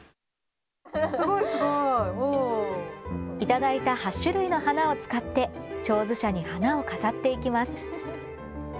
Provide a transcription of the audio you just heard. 頂いた８種類の花を使ってちょうずしゃに花を飾っていきます。